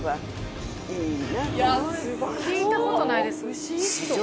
聞いたことないです。